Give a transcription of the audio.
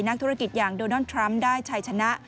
นักธุรกิจอย่างโดนอลดทรัมป์ได้ชัยชนะ